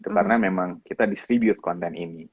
karena memang kita distribute konten ini